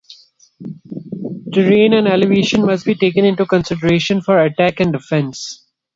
Terrain and elevation must be taken into consideration for attack and defence.